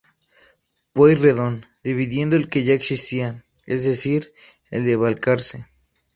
Pueyrredon, dividiendo el que ya existía, es decir el de Balcarce.